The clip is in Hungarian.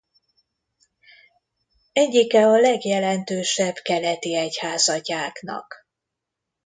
Egyike a legjelentősebb keleti egyházatyáknak.